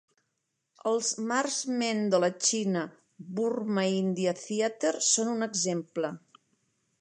Els Mars Men de la China Burma India Theater són un exemple.